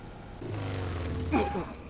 あっ。